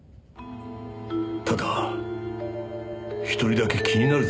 ただ一人だけ気になる人物がいる。